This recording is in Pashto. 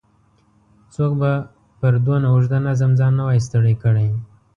څوک به پر دونه اوږده نظم ځان نه وای ستړی کړی.